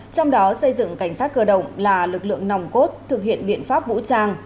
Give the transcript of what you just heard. trong đó xây dựng cảnh sát cơ động là lực lượng nòng cốt thực hiện biện pháp vũ trang